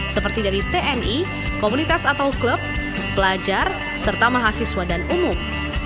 seperti dari tni komunitas atau klub pelajar serta mahasiswa dan umum